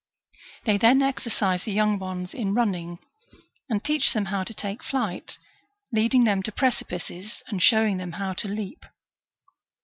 They then exercise the young ones in running, and teach them how to take to flight, leading them to precipices, and showing them how to leap.